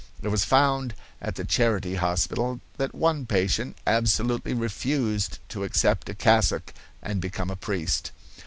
It was found at the Charity hospital that one patient absolutely refused to accept a cassock and become a priest.